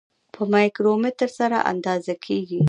په مایکرومتر سره اندازه کیږي.